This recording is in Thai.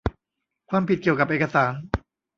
ความผิดเกี่ยวกับเอกสาร